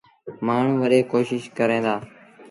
مآڻهوٚݩ وڏيٚ ڪوشيٚش ڪريݩ دآ۔